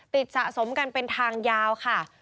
สะสมกันเป็นทางยาวค่ะ